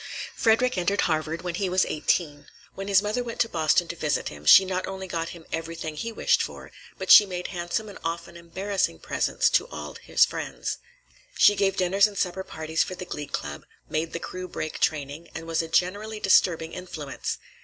Frederick entered Harvard when he was eighteen. When his mother went to Boston to visit him, she not only got him everything he wished for, but she made handsome and often embarrassing presents to all his friends. She gave dinners and supper parties for the Glee Club, made the crew break training, and was a generally disturbing influence.